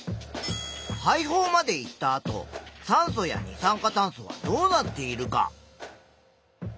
肺胞まで行ったあと酸素や二酸化炭素はどうなっているか？